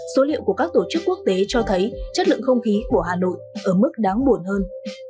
số liệu của các tổ chức quốc tế cho thấy chất lượng không khí của hà nội ở mức đáng buồn hơn